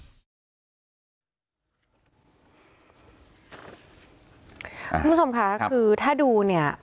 คุณผู้ชมค่ะคือถ้าดูเนี่ย